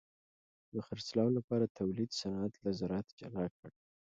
د خرڅلاو لپاره تولید صنعت له زراعت جلا کړ.